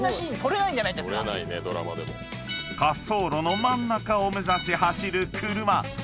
［滑走路の真ん中を目指し走る車］